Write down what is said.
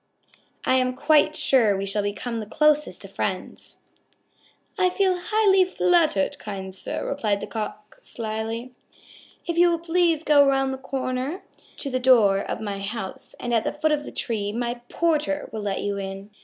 I am quite sure we shall become the closest of friends." "I feel highly flattered, kind sir," replied the Cock slyly. "If you will please go around to the door of my house at the foot of the tree, my porter will let you in."